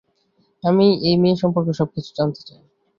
আমি এই মেয়ে সম্পর্কে সবকিছু জানতে চাই।